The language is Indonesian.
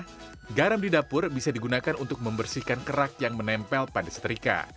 karena garam di dapur bisa digunakan untuk membersihkan kerak yang menempel pada seterika